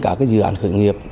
các dự án khởi nghiệp